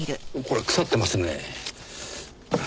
これは腐ってますね。